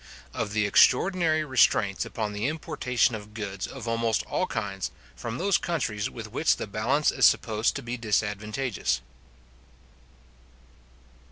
OF THE EXTRAORDINARY RESTRAINTS UPON THE IMPORTATION OF GOODS OF ALMOST ALL KINDS, FROM THOSE COUNTRIES WITH WHICH THE BALANCE IS SUPPOSED TO BE DISADVANTAGEOUS.